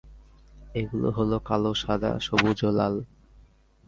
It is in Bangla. এগুলো হল কালো, সাদা, সবুজ ও লাল।